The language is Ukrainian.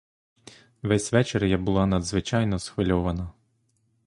Весь вечір я була надзвичайно схвильована.